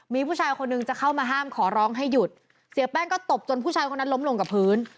มีผู้ชายคนหนึ่งจะเข้ามาห้ามขอร้องให้หยุดเสียแป้งก็ตบจนผู้ชายคนนั้นล้มลงกับพื้น